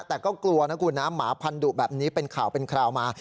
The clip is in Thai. แต่ก็กลัวนะคุณนะหมาพันธุแบบนี้เป็นข่าวเป็นคราวมา